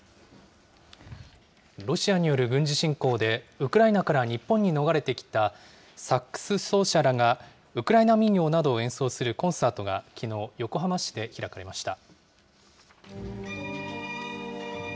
ロシアによる軍事侵攻で、ウクライナから日本に逃れてきたサックス奏者らがウクライナ民謡などを演奏するコンサートがきのう、横浜市で開かれました。